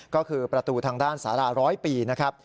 ก็คือประตูทางด้านสารา๑๐๐ปีนะครับ